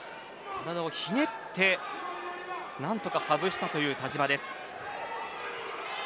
体をひねって何とか外したという田嶋です。